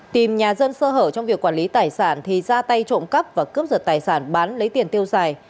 tìm nhà dân sơ hở trong việc quản lý tài sản thì ra tay trộm cắp và cướp giật tài sản bán lấy tiền tiêu xài